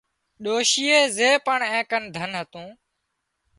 ڏوشيئي زي پڻ اين ڪنين ڌنَ هتون